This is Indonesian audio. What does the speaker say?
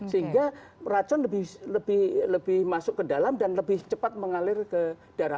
sehingga racun lebih masuk ke dalam dan lebih cepat mengalir ke darah